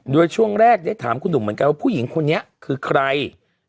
โดยช่วงแรกได้ถามคุณหนุ่มเหมือนกันว่าผู้หญิงคนนี้คือใคร